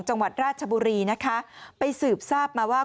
จังหวัดราชบุรีนะคะไปสืบทราบมาว่า